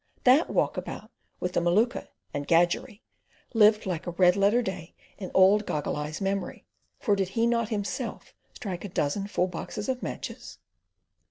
That walk about with the Maluka and "Gadgerrie" lived like a red letter day in old Goggle Eye's memory; for did he not himself strike a dozen full boxes of matches?